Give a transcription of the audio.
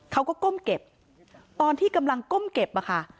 ก้มเก็บตอนที่กำลังก้มเก็บอะค่ะ